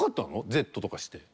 Ｚとかして。